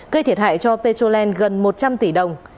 gây thiệt hại cho petrolen gần một trăm linh tỷ đồng